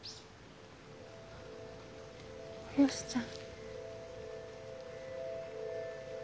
およしちゃん。